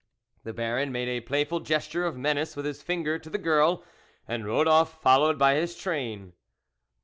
The Baron made a playful gesture of menace with his finger to the girl, and rode off followed by his train.